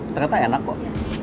ternyata enak kok